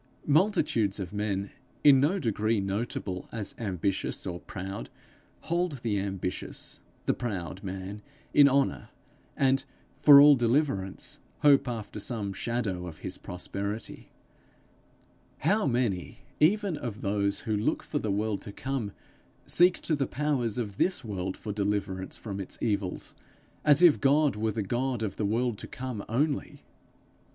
Multitudes of men, in no degree notable as ambitious or proud, hold the ambitious, the proud man in honour, and, for all deliverance, hope after some shadow of his prosperity. How many even of those who look for the world to come, seek to the powers of this world for deliverance from its evils, as if God were the God of the world to come only!